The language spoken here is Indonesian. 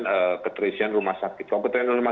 kalau keterisian rumah sakit itu tuh nggak ada data tuh mbak